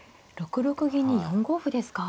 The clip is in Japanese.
６六銀に４五歩ですか。